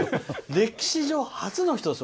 歴史上、初の人です。